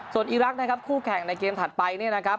ส่วนอีรักษ์นะครับคู่แข่งในเกมถัดไปเนี่ยนะครับ